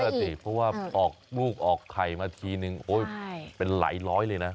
ก็ต้องเยอะอ่ะสิเพราะว่าออกบูกออกไข่มาทีนึงโอ๊ยเป็นหลายร้อยเลยนะ